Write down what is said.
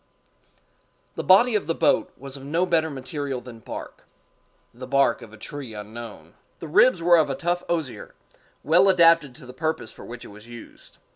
The body of the boat was of no better material than bark—the bark of a tree unknown. The ribs were of a tough osier, well adapted to the purpose for which it was used.